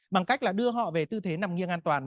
bằng cách là đưa họ về tư thế nằm nghiêng an toàn